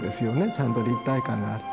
ちゃんと立体感があって。